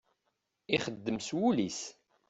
Ixeddem s wul-is.